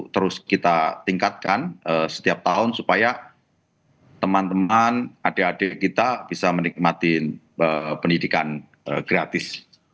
terus kita tingkatkan setiap tahun supaya teman teman adik adik kita bisa menikmati pendidikan gratis